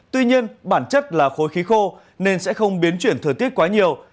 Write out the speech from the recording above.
tuy nhiên bản chất là khối khí khô nên sẽ không biến chuyển thời tiết quá nhiều